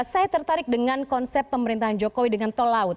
saya tertarik dengan konsep pemerintahan jokowi dengan tol laut